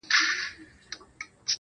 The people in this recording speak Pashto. تا داسې زه غوښتنه خپله دا دی خواره سوې,